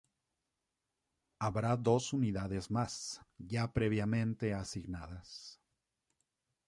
Habrá dos unidades más, ya previamente asignadas.